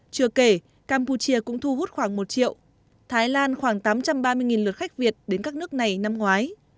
chưa kể campuchia cũng thu hút khoảng một triệu thái lan khoảng tám trăm ba mươi lượt khách việt đến các nước này năm ngoái